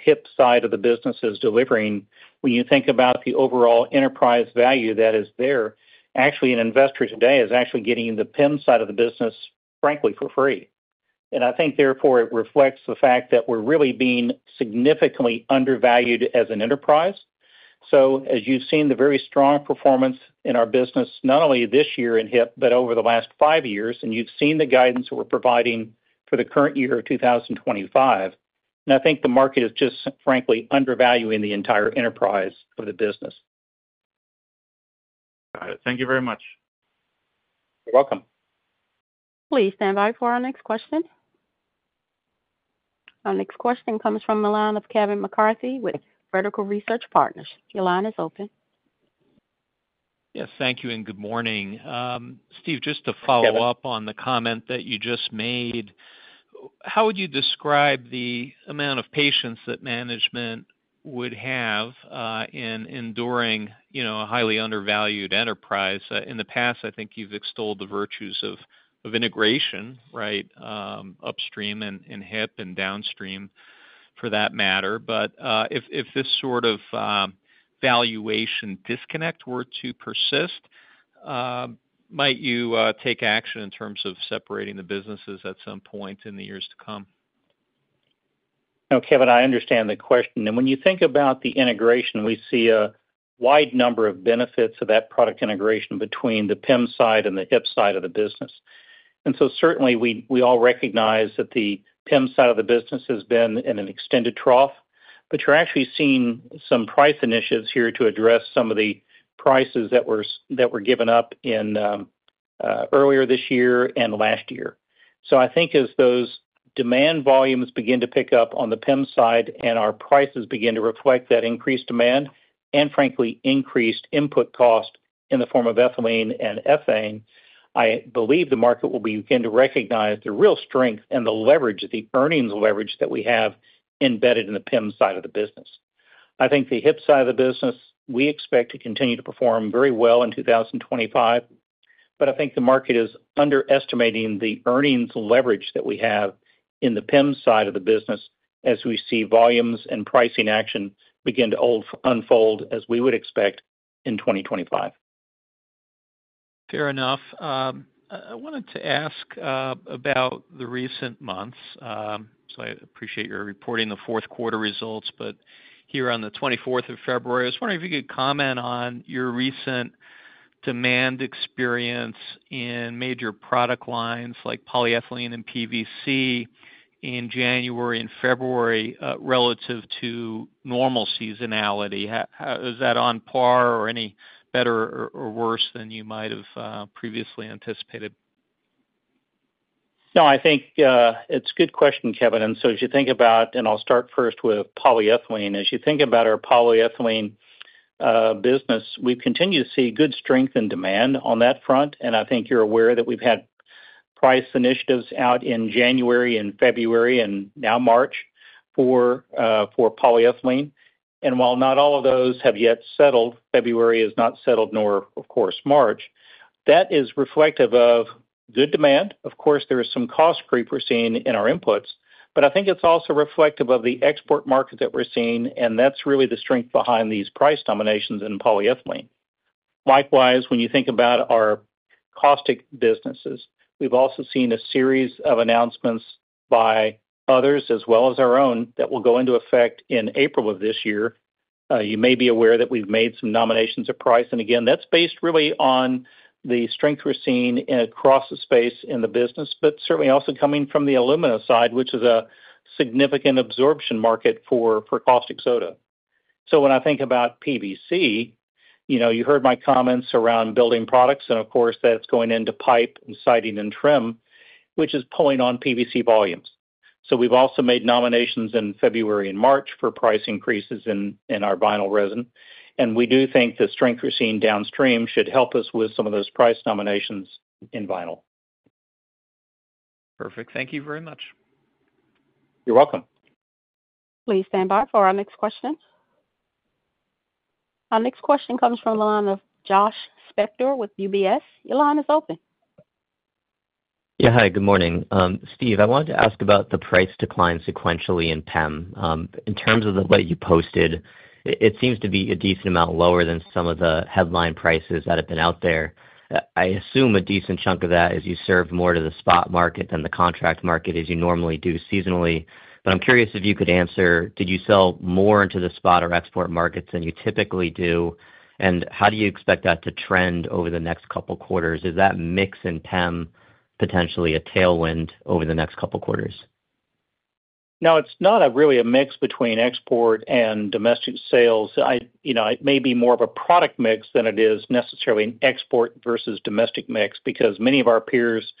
HIP side of the business is delivering, when you think about the overall enterprise value that is there, actually, an investor today is actually getting the PEM side of the business, frankly, for free. And I think, therefore, it reflects the fact that we're really being significantly undervalued as an enterprise. So as you've seen the very strong performance in our business, not only this year in HIP but over the last five years, and you've seen the guidance that we're providing for the current year of 2025. And I think the market is just, frankly, undervaluing the entire enterprise of the business. Got it. Thank you very much. You're welcome. Please stand by for our next question. Our next question comes from the line of Kevin McCarthy with Vertical Research Partners. Your line is open. Yes. Thank you and good morning. Steve, just to follow up on the comment that you just made, how would you describe the amount of patience that management would have in enduring a highly undervalued enterprise? In the past, I think you've extolled the virtues of integration, right, upstream and HIP and downstream for that matter. But if this sort of valuation disconnect were to persist, might you take action in terms of separating the businesses at some point in the years to come? No, Kevin, I understand the question, and when you think about the integration, we see a wide number of benefits of that product integration between the PEM side and the HIP side of the business, and so certainly, we all recognize that the PEM side of the business has been in an extended trough, but you're actually seeing some price initiatives here to address some of the prices that were given up earlier this year and last year, so I think as those demand volumes begin to pick up on the PEM side and our prices begin to reflect that increased demand and, frankly, increased input cost in the form of ethylene and ethane, I believe the market will begin to recognize the real strength and the leverage, the earnings leverage that we have embedded in the PEM side of the business. I think the HIP side of the business, we expect to continue to perform very well in 2025, but I think the market is underestimating the earnings leverage that we have in the PEM side of the business as we see volumes and pricing action begin to unfold as we would expect in 2025. Fair enough. I wanted to ask about the recent months. So I appreciate your reporting the fourth quarter results, but here on the 24th of February, I was wondering if you could comment on your recent demand experience in major product lines like polyethylene and PVC in January and February relative to normal seasonality. Is that on par or any better or worse than you might have previously anticipated? No, I think it's a good question, Kevin. And so as you think about, and I'll start first with polyethylene, as you think about our polyethylene business, we continue to see good strength in demand on that front. And I think you're aware that we've had price initiatives out in January and February and now March for polyethylene. And while not all of those have yet settled, February has not settled, nor of course March, that is reflective of good demand. Of course, there is some cost creep we're seeing in our inputs, but I think it's also reflective of the export market that we're seeing, and that's really the strength behind these price nominations in polyethylene. Likewise, when you think about our caustic businesses, we've also seen a series of announcements by others as well as our own that will go into effect in April of this year. You may be aware that we've made some nominations of price. And again, that's based really on the strength we're seeing across the space in the business, but certainly also coming from the alumina side, which is a significant absorption market for caustic soda. So when I think about PVC, you heard my comments around building products, and of course, that's going into pipe and siding and trim, which is pulling on PVC volumes. So we've also made nominations in February and March for price increases in our vinyl resin. And we do think the strength we're seeing downstream should help us with some of those price nominations in vinyl. Perfect. Thank you very much. You're welcome. Please stand by for our next question. Our next question comes from the line of Josh Spector with UBS. Your line is open. Yeah. Hi, good morning. Steve, I wanted to ask about the price decline sequentially in PEM. In terms of the way you posted, it seems to be a decent amount lower than some of the headline prices that have been out there. I assume a decent chunk of that is you serve more to the spot market than the contract market as you normally do seasonally. But I'm curious if you could answer, did you sell more into the spot or export markets than you typically do, and how do you expect that to trend over the next couple of quarters? Is that mix in PEM potentially a tailwind over the next couple of quarters? No, it's not really a mix between export and domestic sales. It may be more of a product mix than it is necessarily an export versus domestic mix because many of our peers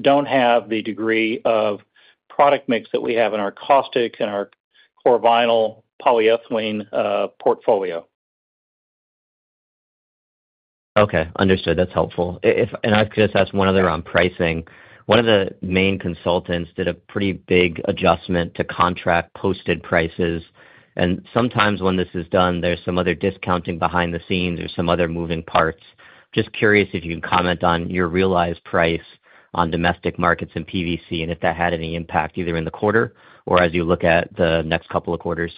don't have the degree of product mix that we have in our caustic and our core vinyl polyethylene portfolio. Okay. Understood. That's helpful, and I could just ask one other on pricing. One of the main consultants did a pretty big adjustment to contract posted prices, and sometimes when this is done, there's some other discounting behind the scenes or some other moving parts. Just curious if you can comment on your realized price on domestic markets and PVC and if that had any impact either in the quarter or as you look at the next couple of quarters?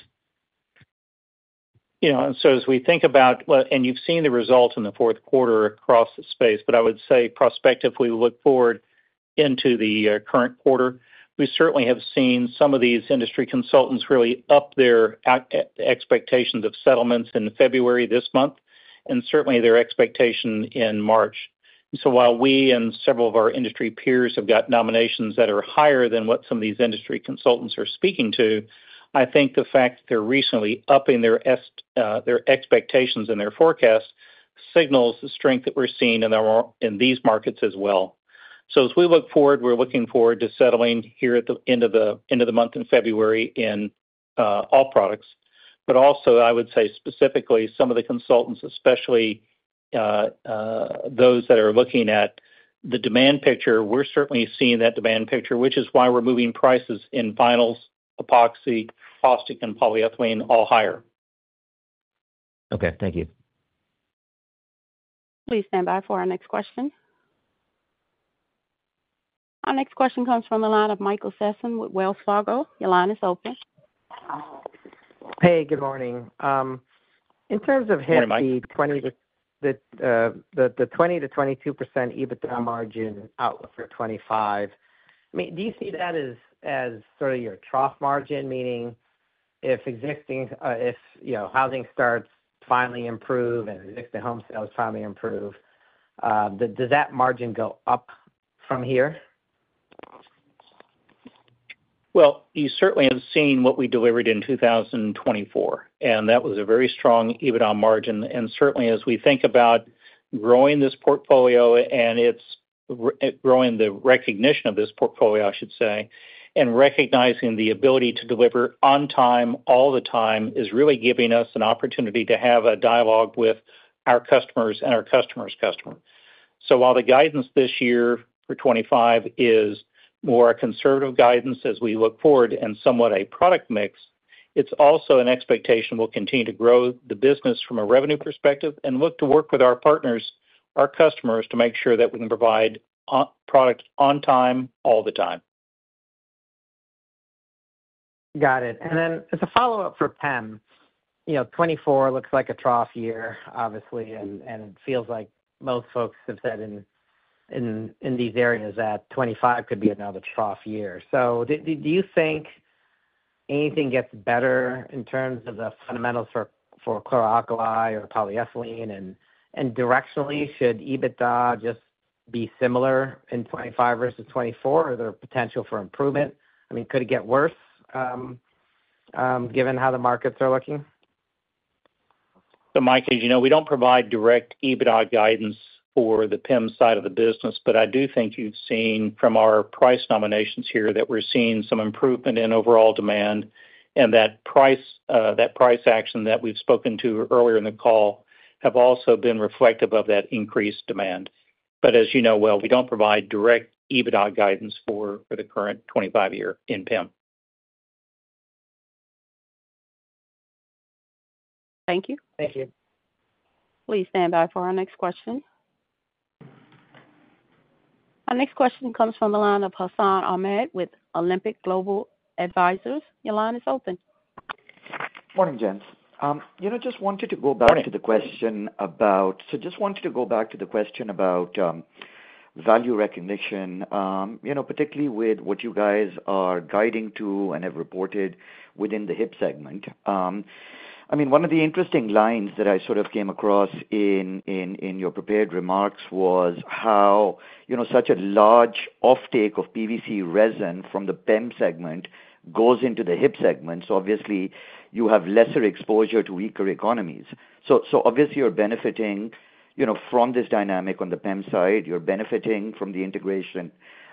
So, as we think about, and you've seen the results in the fourth quarter across the space, but I would say prospectively we look forward into the current quarter, we certainly have seen some of these industry consultants really upping their expectations of settlements in February this month and certainly their expectation in March. So, while we and several of our industry peers have got nominations that are higher than what some of these industry consultants are speaking to, I think the fact that they're recently upping their expectations and their forecast signals the strength that we're seeing in these markets as well. So, as we look forward, we're looking forward to settling here at the end of the month in February in all products. But also, I would say specifically some of the consultants, especially those that are looking at the demand picture, we're certainly seeing that demand picture, which is why we're moving prices in vinyls, epoxy, caustic, and polyethylene all higher. Okay. Thank you. Please stand by for our next question. Our next question comes from the line of Michael Sison with Wells Fargo. Your line is open. Hey, good morning. In terms of HIP, the 20%-22% EBITDA margin outlook for 2025, I mean, do you see that as sort of your trough margin, meaning if housing starts finally improve and if the home sales finally improve, does that margin go up from here? You certainly have seen what we delivered in 2024, and that was a very strong EBITDA margin. Certainly, as we think about growing this portfolio and growing the recognition of this portfolio, I should say, and recognizing the ability to deliver on time, all the time, is really giving us an opportunity to have a dialogue with our customers and our customer's customer. While the guidance this year for 2025 is more a conservative guidance as we look forward and somewhat a product mix, it's also an expectation we'll continue to grow the business from a revenue perspective and look to work with our partners, our customers, to make sure that we can provide product on time, all the time. Got it. And then as a follow-up for PEM, 2024 looks like a trough year, obviously, and it feels like most folks have said in these areas that 2025 could be another trough year. So do you think anything gets better in terms of the fundamentals for chlor-alkali or polyethylene? And directionally, should EBITDA just be similar in 2025 versus 2024? Is there a potential for improvement? I mean, could it get worse given how the markets are looking? So Michael, as you know, we don't provide direct EBITDA guidance for the PEM side of the business, but I do think you've seen from our price nominations here that we're seeing some improvement in overall demand and that price action that we've spoken to earlier in the call have also been reflective of that increased demand. But as you know well, we don't provide direct EBITDA guidance for 2025 in PEM. Thank you. Thank you. Please stand by for our next question. Our next question comes from the line of Hassan Ahmed with Alembic Global Advisors. Your line is open. Morning, gents. Just wanted to go back to the question about value recognition, particularly with what you guys are guiding to and have reported within the HIP segment. I mean, one of the interesting lines that I sort of came across in your prepared remarks was how such a large offtake of PVC resin from the PEM segment goes into the HIP segment. So obviously, you have lesser exposure to weaker economies. So obviously, you're benefiting from this dynamic on the PEM side. You're benefiting from the integration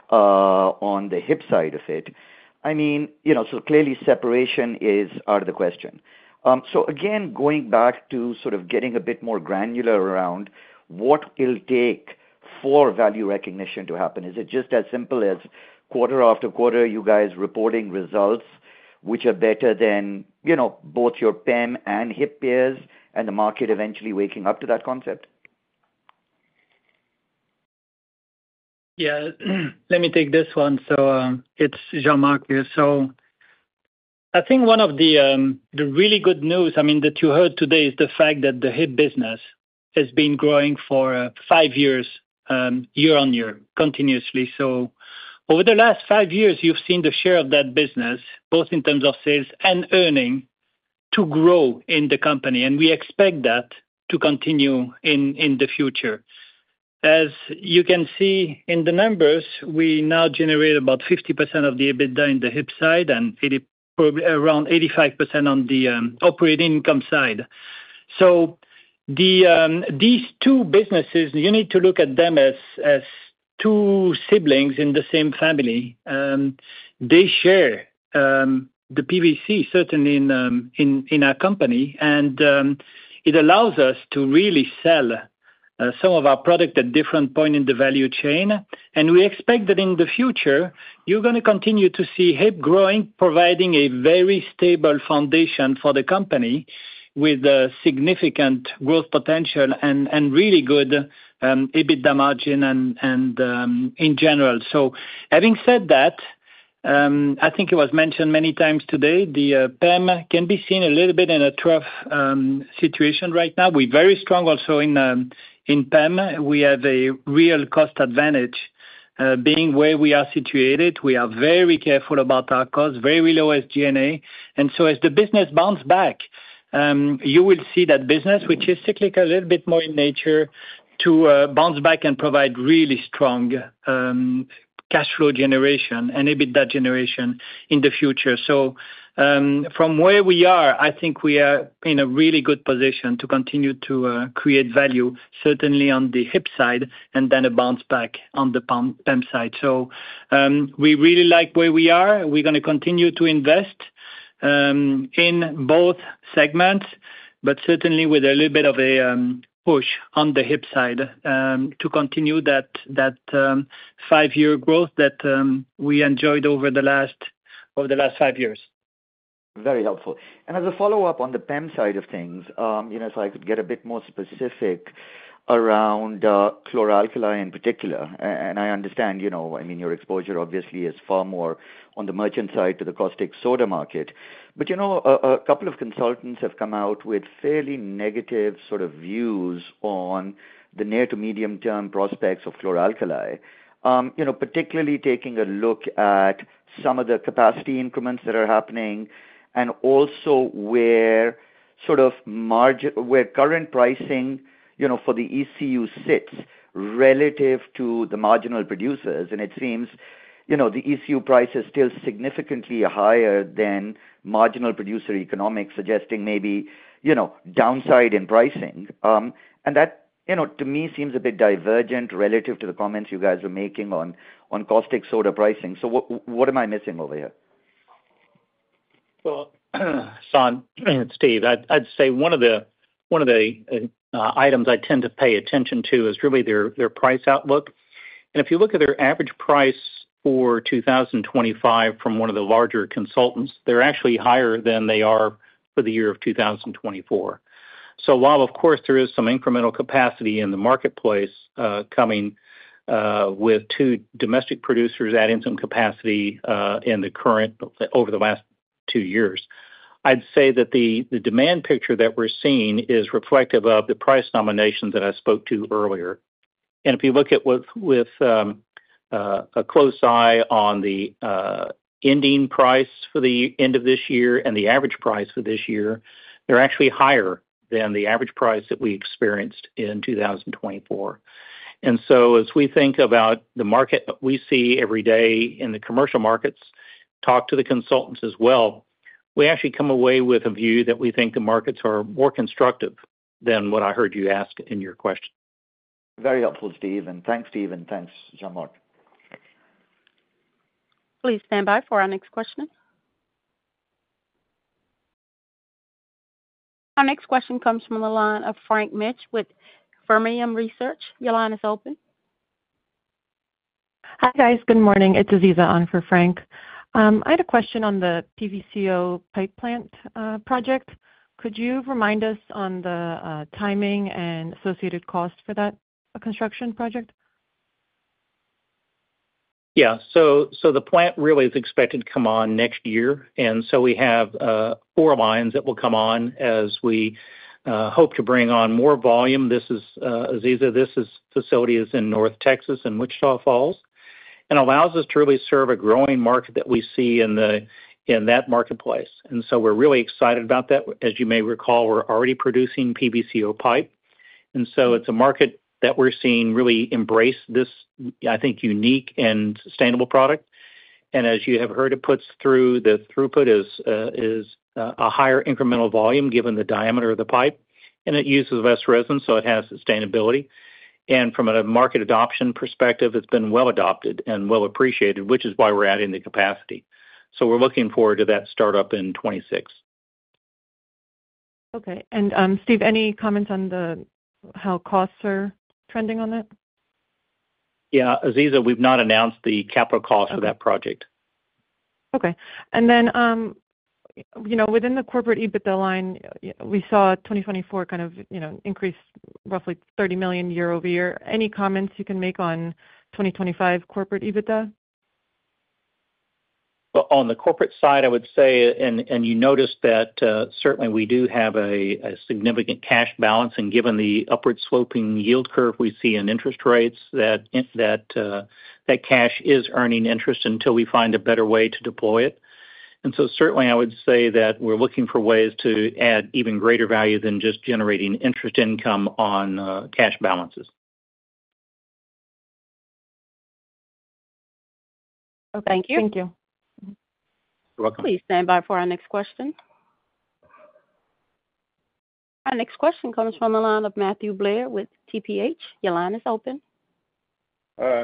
on the HIP side of it. I mean, so clearly, separation is out of the question. So again, going back to sort of getting a bit more granular around what it'll take for value recognition to happen, is it just as simple as quarter after quarter, you guys reporting results which are better than both your PEM and HIP peers and the market eventually waking up to that concept? Yeah. Let me take this one. So it's Jean-Marc here. So I think one of the really good news, I mean, that you heard today is the fact that the HIP business has been growing for five years year on year, continuously. So over the last five years, you've seen the share of that business, both in terms of sales and earnings, to grow in the company. And we expect that to continue in the future. As you can see in the numbers, we now generate about 50% of the EBITDA in the HIP side, and around 85% on the operating income side. So these two businesses, you need to look at them as two siblings in the same family. They share the PVC, certainly, in our company, and it allows us to really sell some of our product at different points in the value chain. We expect that in the future, you're going to continue to see HIP growing, providing a very stable foundation for the company with significant growth potential and really good EBITDA margin in general. So having said that, I think it was mentioned many times today, the PEM can be seen a little bit in a trough situation right now. We're very strong also in PEM. We have a real cost advantage being where we are situated. We are very careful about our cost, very low SG&A. And so as the business bounces back, you will see that business, which is cyclical, a little bit more in nature, to bounce back and provide really strong cash flow generation and EBITDA generation in the future. So from where we are, I think we are in a really good position to continue to create value, certainly on the HIP side, and then a bounce back on the PEM side. So we really like where we are. We're going to continue to invest in both segments, but certainly with a little bit of a push on the HIP side to continue that five-year growth that we enjoyed over the last five years. Very helpful. And as a follow-up on the PEM side of things, if I could get a bit more specific around chlor-alkali in particular. And I understand, I mean, your exposure obviously is far more on the merchant side to the caustic soda market. But a couple of consultants have come out with fairly negative sort of views on the near to medium-term prospects of chlor-alkali, particularly taking a look at some of the capacity increments that are happening and also where current pricing for the ECU sits relative to the marginal producers. And it seems the ECU price is still significantly higher than marginal producer economics, suggesting maybe downside in pricing. And that, to me, seems a bit divergent relative to the comments you guys are making on caustic soda pricing. So what am I missing over here? Hassan it's Steve, I'd say one of the items I tend to pay attention to is really their price outlook. And if you look at their average price for 2025 from one of the larger consultants, they're actually higher than they are for the year of 2024. So while, of course, there is some incremental capacity in the marketplace coming with two domestic producers adding some capacity in the current over the last two years, I'd say that the demand picture that we're seeing is reflective of the price nominations that I spoke to earlier. And if you look at with a close eye on the ending price for the end of this year and the average price for this year, they're actually higher than the average price that we experienced in 2024. And so as we think about the market that we see every day in the commercial markets, talk to the consultants as well, we actually come away with a view that we think the markets are more constructive than what I heard you ask in your question. Very helpful, Steve. And thanks, Steve. And thanks, Jean-Marc. Please stand by for our next question. Our next question comes from the line of Frank Mitsch with Fermium Research. Your line is open. Hi, guys. Good morning. It's Aziza on for Frank. I had a question on the PVCO pipe plant project. Could you remind us on the timing and associated cost for that construction project? Yeah. The plant really is expected to come on next year. We have four lines that will come on as we hope to bring on more volume. This is, Aziza. This facility is in North Texas in Wichita Falls and allows us to really serve a growing market that we see in that marketplace. We're really excited about that. As you may recall, we're already producing PVCO pipe. It's a market that we're seeing really embrace this, I think, unique and sustainable product. As you have heard, it puts through the throughput is a higher incremental volume given the diameter of the pipe. It uses less resin, so it has sustainability. From a market adoption perspective, it's been well adopted and well appreciated, which is why we're adding the capacity. We're looking forward to that startup in 2026. Okay. And Steve, any comments on how costs are trending on that? Yeah. Aziza, we've not announced the capital cost for that project. Okay, and then within the corporate EBITDA line, we saw 2024 kind of increase roughly $30 million year over year. Any comments you can make on 2025 corporate EBITDA? On the corporate side, I would say, and you noticed that certainly we do have a significant cash balance. And given the upward-sloping yield curve we see in interest rates, that cash is earning interest until we find a better way to deploy it. And so certainly, I would say that we're looking for ways to add even greater value than just generating interest income on cash balances. Oh, thank you. Thank you. You're welcome. Please stand by for our next question. Our next question comes from the line of Matthew Blair with TPH. Your line is open.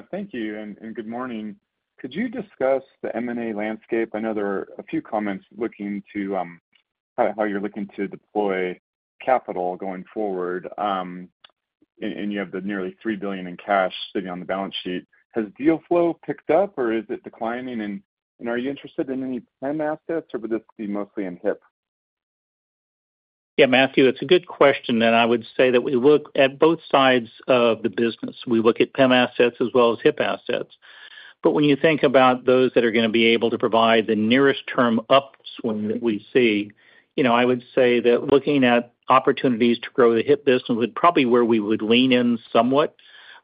Thank you and good morning. Could you discuss the M&A landscape? I know there are a few comments looking to how you're looking to deploy capital going forward, and you have nearly $3 billion in cash sitting on the balance sheet. Has deal flow picked up, or is it declining? Are you interested in any PEM assets, or would this be mostly in HIP? Yeah, Matthew, it's a good question, and I would say that we look at both sides of the business. We look at PEM assets as well as HIP assets, but when you think about those that are going to be able to provide the nearest-term upswing that we see, I would say that looking at opportunities to grow the HIP business would probably be where we would lean in somewhat,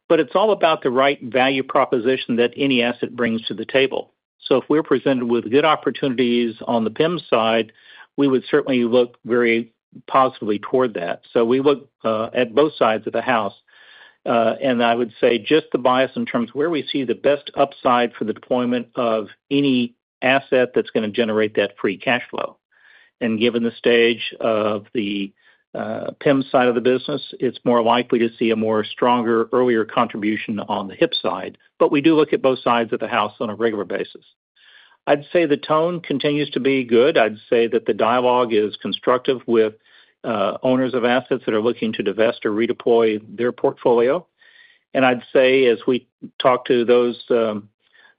but it's all about the right value proposition that any asset brings to the table, so if we're presented with good opportunities on the PEM side, we would certainly look very positively toward that, so we look at both sides of the house, and I would say just the bias in terms of where we see the best upside for the deployment of any asset that's going to generate that free cash flow. And given the stage of the PEM side of the business, it's more likely to see a more stronger, earlier contribution on the HIP side. But we do look at both sides of the house on a regular basis. I'd say the tone continues to be good. I'd say that the dialogue is constructive with owners of assets that are looking to divest or redeploy their portfolio. And I'd say as we talk to those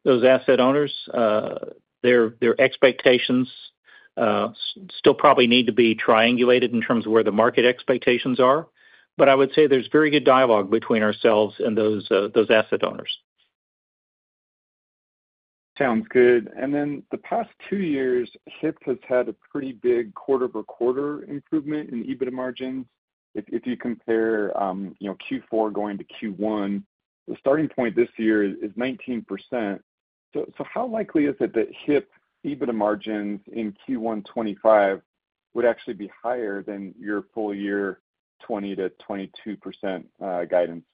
asset owners, their expectations still probably need to be triangulated in terms of where the market expectations are. But I would say there's very good dialogue between ourselves and those asset owners. Sounds good. And then the past two years, HIP has had a pretty big quarter-over-quarter improvement in EBITDA margins. If you compare Q4 going to Q1, the starting point this year is 19%. So how likely is it that HIP EBITDA margins in Q1 2025 would actually be higher than your full-year 20%-22% guidance?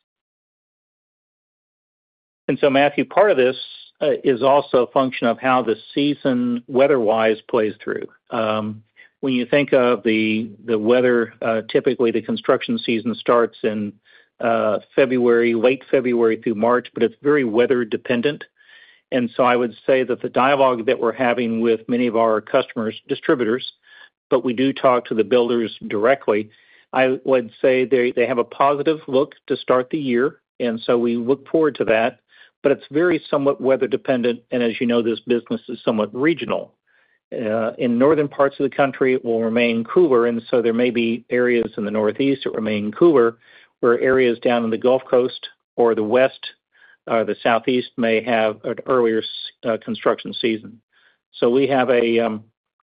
And so, Matthew, part of this is also a function of how the season, weather-wise, plays through. When you think of the weather, typically, the construction season starts in February, late February through March, but it's very weather-dependent. And so I would say that the dialogue that we're having with many of our customers, distributors, but we do talk to the builders directly. I would say they have a positive look to start the year. And so we look forward to that. But it's very somewhat weather-dependent. And as you know, this business is somewhat regional. In northern parts of the country, it will remain cooler. And so there may be areas in the Northeast that remain cooler where areas down in the Gulf Coast or the West or the Southeast may have an earlier construction season. So we have an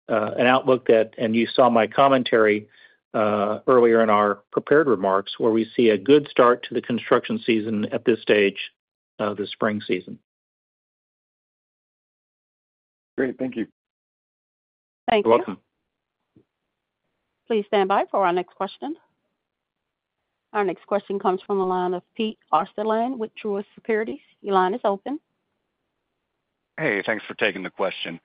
outlook that, and you saw my commentary earlier in our prepared remarks, where we see a good start to the construction season at this stage of the spring season. Great. Thank you. Thank you. You're welcome. Please stand by for our next question. Our next question comes from the line of Pete Osterland with Truist Securities. Your line is open. Hey, thanks for taking the question.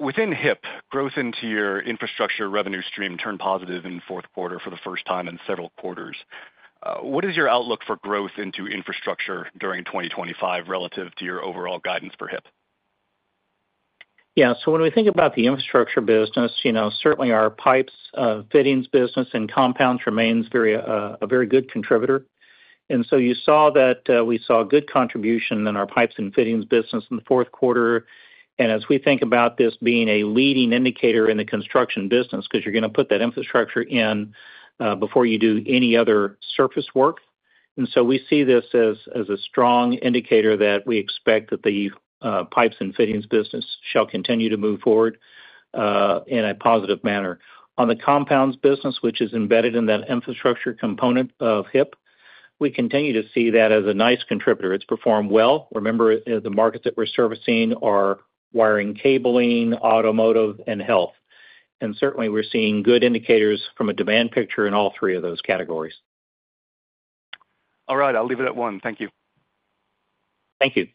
Within HIP, growth into your infrastructure revenue stream turned positive in fourth quarter for the first time in several quarters. What is your outlook for growth into infrastructure during 2025 relative to your overall guidance for HIP? Yeah. So when we think about the infrastructure business, certainly our pipes, fittings business, and compounds remains a very good contributor. And so you saw that we saw good contribution in our pipes and fittings business in the fourth quarter. And as we think about this being a leading indicator in the construction business because you're going to put that infrastructure in before you do any other surface work. And so we see this as a strong indicator that we expect that the pipes and fittings business shall continue to move forward in a positive manner. On the compounds business, which is embedded in that infrastructure component of HIP, we continue to see that as a nice contributor. It's performed well. Remember, the markets that we're servicing are wiring, cabling, automotive, and health. And certainly, we're seeing good indicators from a demand picture in all three of those categories. All right. I'll leave it at one. Thank you. Thank you.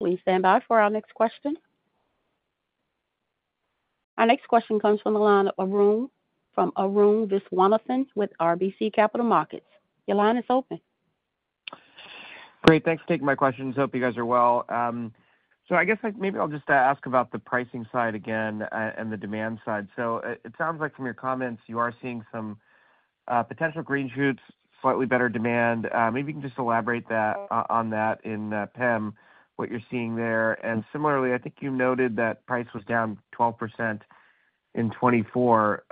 Please stand by for our next question. Our next question comes from the line of Arun Viswanathan with RBC Capital Markets. Your line is open. Great. Thanks for taking my questions. Hope you guys are well. So I guess maybe I'll just ask about the pricing side again and the demand side. So it sounds like from your comments, you are seeing some potential green shoots, slightly better demand. Maybe you can just elaborate on that in PEM, what you're seeing there. And similarly, I think you noted that price was down 12% in 2024.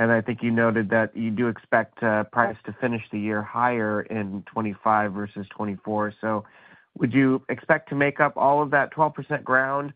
And I think you noted that you do expect price to finish the year higher in 2025 versus 2024. So would you expect to make up all of that 12% ground?